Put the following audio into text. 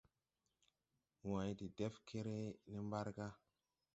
Wãy de dɛf kere ne mbarga.